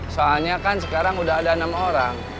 soalnya kan sekarang udah ada enam orang